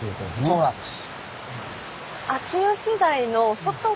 そうなんです。